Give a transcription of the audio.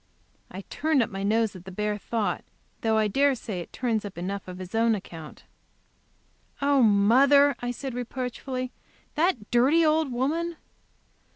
I turned up my nose at the bare thought, though I dare say it turns up enough on its own account. "Oh, mother!" I said, reproachfully "that dirty old woman!"